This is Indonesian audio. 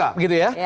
siap gitu ya